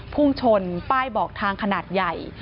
พุ่งชนป้ายบอกทางขนาดใหญ่